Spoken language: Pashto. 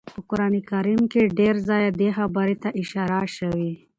په قران کريم کي ډير ځايه دې خبرې ته اشاره شوي